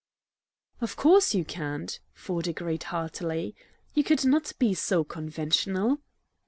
"Of course you can't," Ford agreed heartily; "you could not be so conventional."